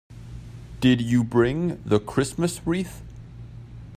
Did you bring the Christmas wreath?